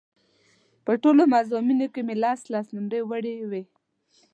په ټولو مضامینو کې مې لس لس نومرې وړې وې.